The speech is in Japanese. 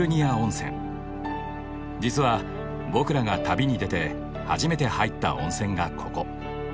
実は僕らが旅に出て初めて入った温泉がここ。